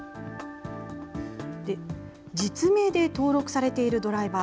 実名で登録されているドライバー。